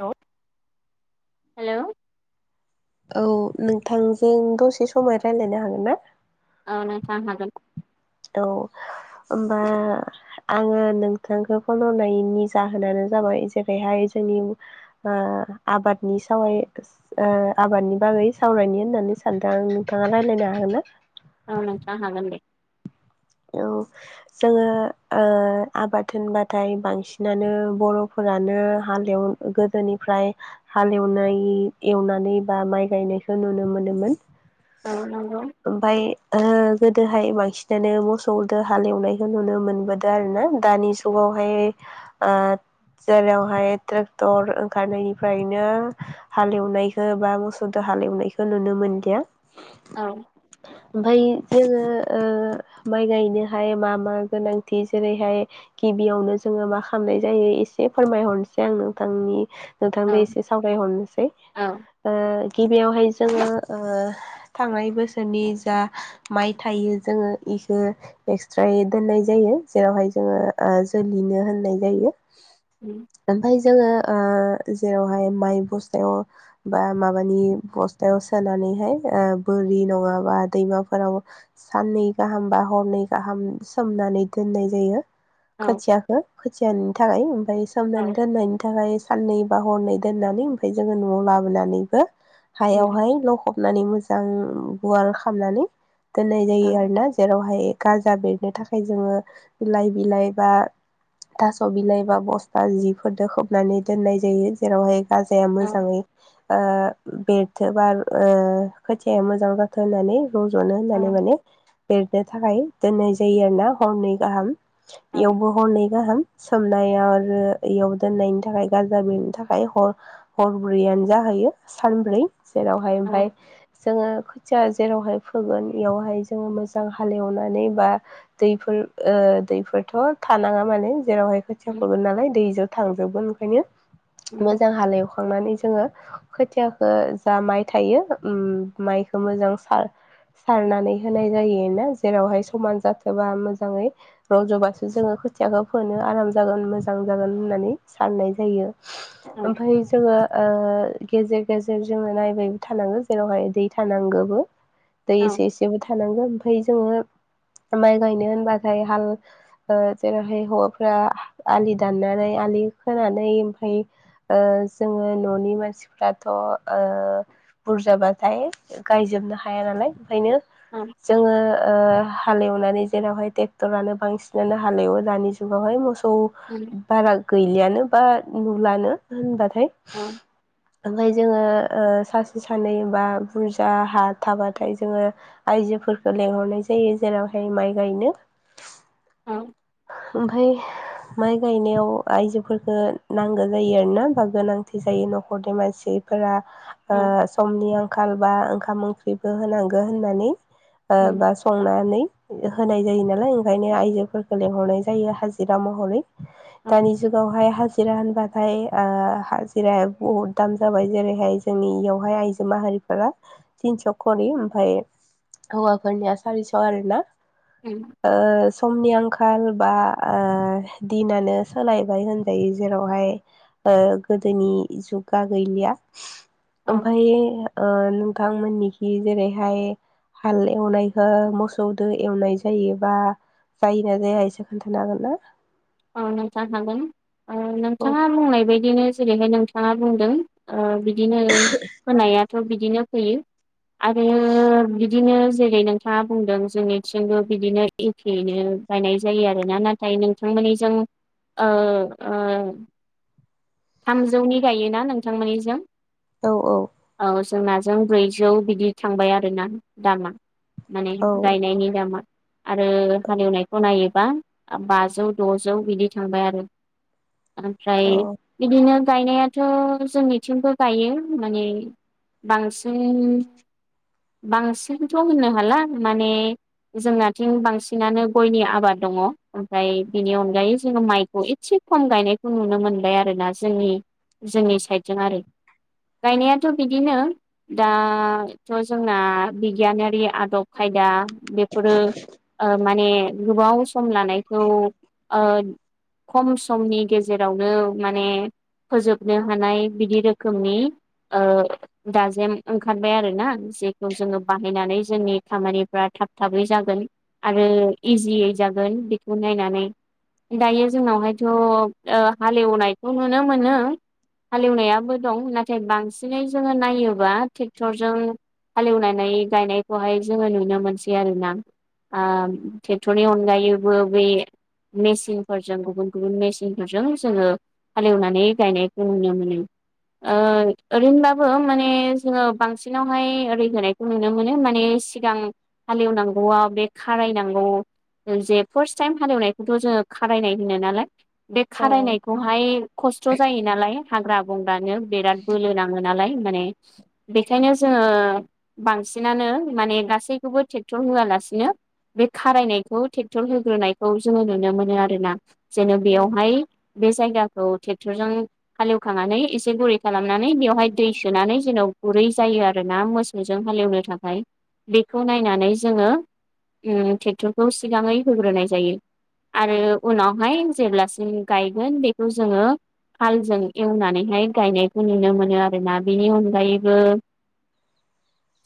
हेल' hello औ नोंथांजों दसे समाय रायज्लायनो हागोन ना? औ नोंथां हागोन। औ ओमबा आङो नोंथांखौ फन हरनायनि जाहोनानो जाबाय जेरैहाय जोंनि ओ आबादनि सावयै ओ आबादनि बागै सावरायनो होननानै सानदां नोंथाङा रायज्लायनो हागोन ना? औ नोंथां हागोन दे। औ जोङो ओ आबाद होनबाथाय बांसिनानो बर'फोरा नो हालेव गोदोनिफ्राय हालेवनाय एवनानै बा माइ गायनाय खौ नुनो मोनोमोन। औ नंगौ ओमफ्राय ओ गोदोहाय बांसिनानो मोसौजों हाल एवनायखौ नुनो मोनबोदों आरो ना। दानि जुगावहाय ओ जेरावहाय ट्रेक्टर ओंखारनायनिफ्रायनो हालेवनायखौ बा मोसौदो हा हालेवनायखौ नुनो मोनदिया। औ ओमफ्राय जोङो ओ माइ गायनोहाय मा मा गोनांथि जेरैहाय गिबियावनो जोङो मा खालामनाय जायो एसे फोरमायहरनोसै आं नोंथांनि औ नोंथांजों एसे सावरायहरनोसै। औ गिबियावहाय जोङो ओ थांनाय बोसोरनि जा माइ थायो जोङो एक्सट्रायै दोननाय जायो जेरावहाय जोङो ओ जोलैनो होननाय जायो। उम ओमफ्राय जोङो ओ जेरावहाय माइ बस्थायाव बा माबानि बस्थायाव सोनानैहाय ओ बो नि नङाबा दैमाफोराव साननै गाहाम बा हरनै गाहाम सोमनानै दोननाय जायो औ खोथियाखौ खोथियानि थाखाय। ओमफ्राय सोमनानै औ दोननायनि थाखाय साननै बा हरनै दोननानै ओमफ्राय जोङो न'आव लाबोनानैबो उम हायावहाय लखबनानै मोजां गुवार खालामनानै दोननाय औ जायो आरोना। जेरावहाय गाजा बेरनो थाखाय जोङो बिलाइ बिलाइ बा थास' बिलाइ बा बस्था जिफोरजों खोबनानै दोननाय जायो। जेरावहाय गाजाया औ मोजाङै ओ बे रोबा बा ओ खोथिया मोजां जाथों होननानै रज'नो होननानै औ माने बेरनो थाखाय दोननाय जायो आरो ना हरनै गाहाम। औ इयावबो हरनै गाहाम सोमनायाव आरो इयाव दोननायनि थाखाय गाजा बेरनि थाखाय हर हरब्रैयानो जाहो खायो सानब्रै। जेरावहाय औ ओमफ्राय जोङो खोथिया जेरावहाय फोगोन बेयावहाय जोङो मोसौवजों मोजां हालेवनानै बा दैफोर ओ दैफोरथ' थानाङा माने जेरावहाय खोथिया उम फोगोन नालाय दैजों थांजोबगोन ओंखायनो उम मोजां हालेवखांनानै जोङो खोथियाखो जा माइ थायो उ माइखौ मोजां सार नानै होनाय जायोना जेरावहाय समान जाथोबा मोजाङै रज'बासो जोङो खोथियाखो फोनो आराम जागोन मोजां जागोन होननानै साननाय जायो। औ ओमफ्राय जोङो ओ गेजेर गेजेर जोङो नायबायबो थानांगो जेरावहाय दै थानांगौबो दै औ एसे एसेबो था नांगोन ओमफाय जोङो माइ गायनो होनबाथाय हाल ओ जेरैहाय हौवाफ्रा आलि दाननानै। दालि खोनानै ओमफाय ओ जोङो न'नि मानसिफ्राथ'ओ बुरजाबाथाय गायजोबनो हाया नालाय ओंखायनो जोङो ओ हालेवनानै जेरावहाय ट्रेक्टरानो बांसिनानो हालेवो दानि जुगावहाय मसौ उम औ बारा गैलियानो बा नुलानो होनबा फाय औ ओफाय जोङो ओ सासे सानै बा बुरजा हा थाबाथाय जोङो। आयजोफोरखौ लेंहरनाय जायो जेरावहाय माइ गायनो औ ओमफाय माइ गायनायाव आइजोफोरखो नांगौ जायो आरोना बा गोनांथि जायो न'खरनि मानसि बिफोरा आ समनि आंखाल बा ओंखाम ओंख्रिबो होनांगो होननानै ओ उम बा संनानै होनाय जायो नालाय ओंखायनो आइजोफोरखौ लेंहरनाय जायो हाजिरा महरै औ दानि जुगावहाय हाजो जिरा होनबाथाय हाजिराया बहुद दाम जाबाय जेरैहाय जोंनि इयावहाय आइजो माहारि बिसोरो थिनस' खरि ओमफाय हौवाफोरनिया सारिस' आरोना उम ओ समनि आं खाल बा ओ दिनानो सोलायबाय होनजायो जेरावहाय ओ गोदोनि जुगा गैलिया औ ओमफाय ओ नोंथांमोननिखि जेरैहाय हाल एवनायखौ मोसौदो एवनाय जायोबा। जायोना जाया एस खोन्थानो हागोन ना। औ नोंथां हागोन ओ औ नोंथाङा बुंनाय बायदिनो। जेरैहाय नोंथाङा बुंदों ओ बिदिनो होनायाथ' बिदिनो फैयो। आरोे बि बिदिनो जेरै नोंथाङा बुंदों जोंनिथिंबो बिदिनो एखेनो बायनाय जायो आरोना नाथाय नों थांमाने जों ओ ओ थामजौनि गायोना नोंथांमोननिजों औ औ औ जोंनाजों ब्रैजौ बिदि थांबाय आरोना दामा माने औ गायनायनि दामा आरो हालेवनायखौ नायोबा बाजौ द'जौ बिदि थांबाय आरो [inaudible] औ ओमफ्राय बिनो गायनायाथ' जोंनिथिंबो गायो माने। बांसिन बांसिनथ' होननो हाला माने जोंनाथिं बांसिनानो गयनि आबाद दङ ओमफ्राय बिनि अनगायै जोङो माइखौ एसे फान गायनायखौ नुनो मोनबाय आरो ना जोंनि जोंनि साइदजों आरो गायनायाथ' बिदिनो दाथ' जोंना बिगियानारि आदब खाय दा बेफोरो ओ माने गोबाव सम लानायखौ ओ खम समनि गेजेरावनो माने फोजोबनो हानाय बिदि रोखोमनि दाजेम ओ ओंखारबाय आरो ना। जेखौ जोङो बाहायनानै जोंनि खामानिफ्रा थाब थाबै जागोन। आरो इजियै जागोन बेखौ नायनानै दायो जोंनावहायथ' हालेवनायखौ नुनो मोनो। हालेवनायाबो दं नाथाय बांसिनै जोङो नायोबा ट्रेक्टरजों हालेवनानै गायनायखौहाय जोङो नुनो मोनसै आरो ना। आ ट्रेकटर अनगायैबो बे मेचिनफोरजों गुबुन गुबुन मेसिनफोरजों जोङो हाल एवनानै गायनायखौ नुनो मोननो। ओरैनोबाबो माने जोङो बांसिनावहाय ओरै होनायखौ नुनो मोनो माने सिगां हालेवनांगौआ बे खारायनांगौ। जे फार्स्ट टाइम हालेवनायखौथ' जोङो खारायनाय होनो नालाय। बे औ खारायनायखौहाय खस्थ' जायो नालाय हाग्रा बंग ग्रानो बिराद बोलो नाङो नालाय माने बेखायनो जोङो बांसिनानो माने गासैखौबो ट्रेक्टर होआलासे बिसिनो बे खारायनायखौ ट्रेक्टर होग्रोनायखौ जोङो नुनो मोनो आरोना। जेन' बेयावहाय बे जायगाखौ ट्रेक्टरजों हालेवखांनानै एसे गुरै खालामनानै बेवहाय दै सोनानै जेन' गुरै जायो आरोना मोसौजों हालेवनो थाखाय बेखौ नायनानै जोङो ट्रेक्टरखौ सिगाङै होग्रोनाय जायो। आरो उनावहाय जेब्लासिम गायगोन बेखौ जोङो हालजों एवनानैहाय गायनायखौ नुनो मोनो आरोना बेनि अनगायैबो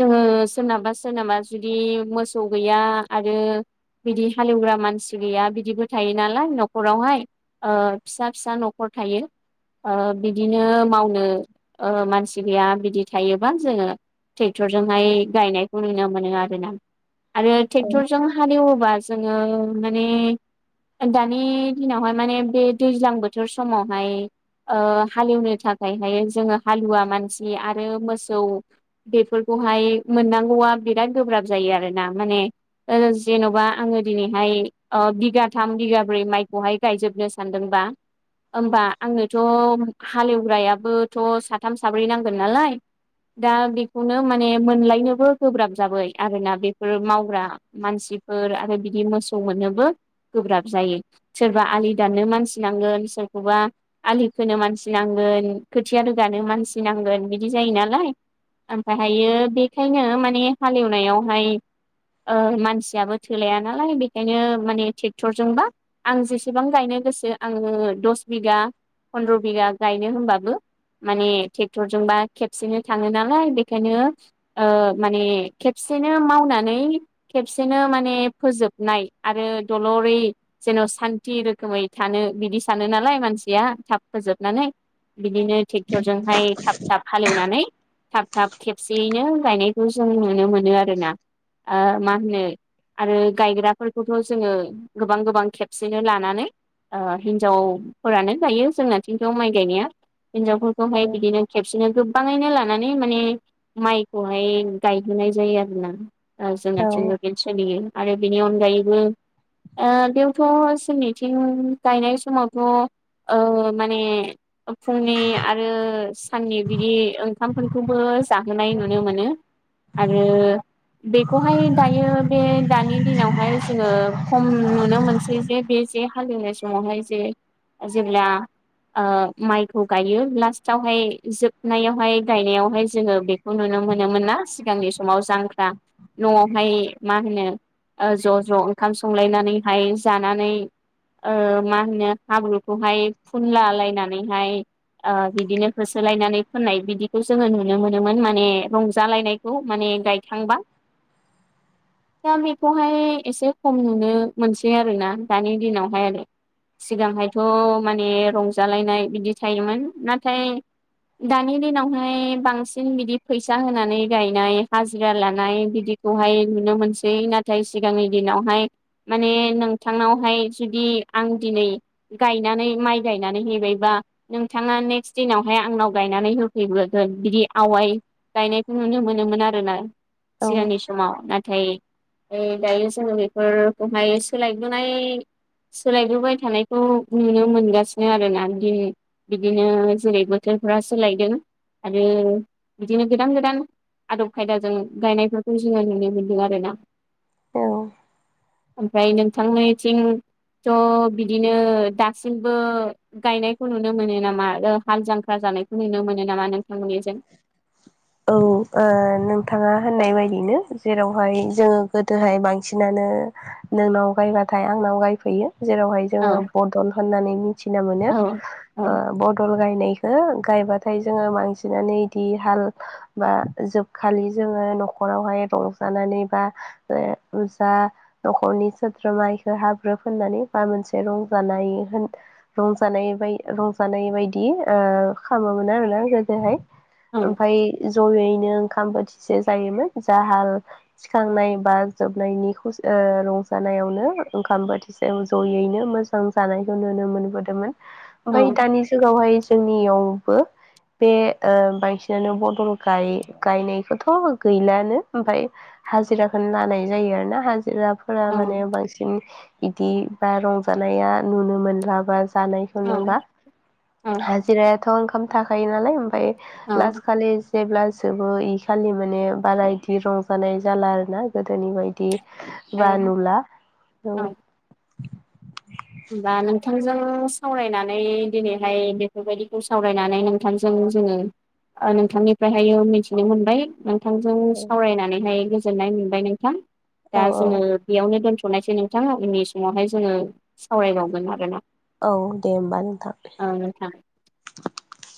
जोङो सोरनाबा सोरनाबा जुदि मोसौ गैया आरो बिदि हालेवग्रा मानसि गैया बिदिबो थायो नालाय न'खरावहाय। फिसा फिसा न'खर थायो। बिदिनो मावनो मानसि गैया बिदि थायोबा जोङो ट्रेक्टरजोंहाय गायनायखौ नुनो मोनो आरो ना आरो ट्रेक्टरजों हालएब ब्ला जोङो म दानि दिनावहाय माने बे दैज्लां बोथोर समावहाय हालेवनो थाखायहाय जोङो हालुवा मानसि आरो मोसौ बेफोरखौ मोनांगौबि बिरागोब्र जोना म जेनबा आ अ बिगाथाम बिगाब्रै माइखौहाय गायजोबनो सानदोंबा होमबा आंनोथ' हालेवग्रायाबोथ' साथाम साब्रै नांगोन नालाय दा बेखौनो माने मोनलायनोबो गोब्राब जाबाय। आरोना बेफोर मावग्रा मानसि आरो बिदि मोसौ मोननोबो गोब्राब जायो सोरबा आ दाननो मानसि नांगोन सोरखौबा आलि खोनो मानसि नांगोन खोथिया रोगानो मानसि नांगोन। बिदि जायो नालाय ओमफ्राय हायो बेनिखायनो माने हालेवनायावहाय मानसियाबो थोलाया नालाय बेखायनो माने ट्रेक्टरजोंबा आं जेसेबां गायनो गोसो आङो दस बिघा फन्द्र' बिघा गायनो होनबाबो माने ट्रेक्टरजोंबा खेबसेनो थाङो नालाय बेखायनो माने खेबसेनो मावनानै खेबसेनो माने फोजोबनाय आरो दलै जेन' सान्थि रोखोमै थानो बिदि सानो नालाय मानसिया थाब फोजोबनानै बिदिनो थिग क्टरजोंहाय थाब थाब हालेवनानै थाब थाब खेबसेयैनो गायनायखौ जों नुनो मोनो आरोना। आ मा होनो आरो गायग्राफोरखौथ' जोङो गोबां गोबां खेबसेनो लानानै हिनजावफोरानो गायो जोंनाथिंथ' माइ गायनाया। हिन्जावफोरखौहाय बिदिनो खेबसेनो गो बिफाङैनो लानानै माने माइखौहाय गायहोनाय जायो आरो ना। औ जोंनाथिंबो बेनो सोलियो आरो बेनि अनगायैबो ओ बेयावथ' जोंनि थिं गायनाय समावथ'। ओ माने फुंनि आरो साननि बिदि ओंखामफोरखौबो जाहोनाय नुनो मोनो आरो बेखौहाय दायो बे दानि दिनावहाय जोङो खम नुनो मोनसै जे बे बे हालेवनाय समावहाय जे जेब्ला माइखौ गायो लास्टावहाय जोबनायावहाय गायनायावहाय जोंङो बेखौ नुनो मोन नो मोनोमोन ना सिगांनि समाव जांख्रा नआवहाय मा होनो ओ ज' ज' ओंखाम संलायनानैहाय जानानै ओ मा होनो हाब्रुखौहाय फुनला लायनानैहाय ओ बिदिनो होसोलायनानै फोननाय बिदिखौ जोंङो नुनो मोनोमोन माने रंजालायनायखौ माने गायखांबा [inaudible] दा बेखौहाय एसे खम नुनो मोनसै आरोना दानि दिनाव [inaudible] सिगांहायथ' माने रंजालायनाय बिदि थायोमोन नाथाय दानि दिनावहाय बांसिन बिदि फैसा होनानै गायनाय हाजिरा लानाय बिदि हाय नुनो मोनसै नाथाय सिगांनि दिनावहाय माने नोंथांनावहाय जुदि आं दिनै गायनानै माइ गायनानै हैबायबा नोंथाङा नेक्स्ट दिनावहाय आंनाव गायनानै होफैबोगोन बिदि आवाय गायनायखौ नुनो मोनोमोन आरोना औ सिगांनि समाव नाथाय दायो जोंङो बेफोरखौहाय सोलायबोनाय सोलायबोबाय थानायखौ नुनो मोनगासिनो आरोना दिनै बिदिनो जेरै बोथोरफोरा सोलायदों आरो बिदिनो गोदान गोदान आदब खायदाजों गायनायफोरखौ जोंङो नुनो मोन्दों आरो ना औ ओमफ्राय नोंथांमोननिथिं थ बिदिनो दासिमबो गायनायखौ नुनो मोनो नामा आरो हाल जां ख्रा जानायखौ नुनो मोनो नामा नों औ ओ नोंथाङा होननाय बायदिनो जेरावहाय जोंङो गोदोहाय बांसिनानो नोंनाव गायबाथाय आं आंनाव गायफैयो जेरावहाय जों औ बदल होननानै मिथिना मोनो। औ औ गायनायखौ गायबाथाय जोंङो बांसिन बिनानैदि हाल बा जोबखालि जोंङो नखरावहाय रंजानानै बा जा न'खरनि सोद्रोमायखौ हाब्रु फोननानै बा मोनसे रंजानाय रंजानाय बाय रंजानाय बायदि खालामोमोन आरोना हाय औ ओमफ्राय ज'यैनो ओंखाम बोथिसे जायोमोन जाहाल थिखांनाय बा जोबनायनि खुसि रंजानाय नो ओंखाम बोथिसे जयैनो मोजां जानायखौ नुनो मोनबोदोंमोन औ ओमफ्राय दानि जुगावहाय जोंनियावबो बे बांसिनानो बदल गायनायखौथ' गैलानो ओमफ्राय हाजिराखौनो लानाय जायो आरोना हाजिरा फोरा औ माने बांसिन बिदि बा रंजानाया नुनो मोनला बा जानायखौ नुबा औ हाजिरायाथ ओंखाम थाखायो नालाय ओमफ्राय औ लास खालि जेब्ला जोबो इ खालि माने बारा बिदि रंजानाय जाला आरोना गोदोनि बायदि ब औ नुला औ होमबा नोंथांजों नों सावरायनानै दिनैहाय बेफोरबायदिखौ सावरायनानै नोंथांजों जोंङो नोंथांनिफ्रायहायो मिथिनो मोनबाय नोंथांजों सावरायनानैहाय गोजोननाय मोनबाय नोंथां औ दा जोंङो बेयावनो दोनथ' नायसै नोंथाङा उननि समावहाय जोंङो सावरायबावगोन आरोना औ दे होमबा नोंथां ओ नोंथां। [inaudible]